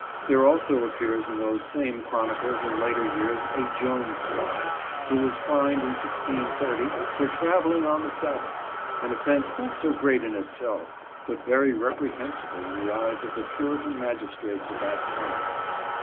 There also appears in those same chronicles in later years a Joan Sly, who was fined in 1630 for travelling on the Sabbath: an offence not so great in itself, but very reprehensible in the eyes of the Puritan magistrates of that time.